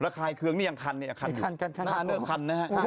ระคายเคืองนี่ยังคันคันกันคันนะครับ